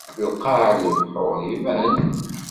Lqaɛ n lebḥur iban-d.